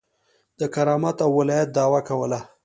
د کرامت او ولایت دعوه کوله.